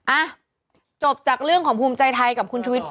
อ่ะจบจากเรื่องของภูมิใจไทยกับคุณชุวิต